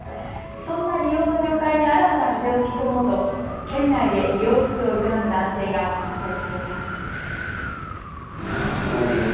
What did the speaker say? そんな理容の業界に新たな風を吹き込もうと県内で理容室を営む男性が奮闘しています。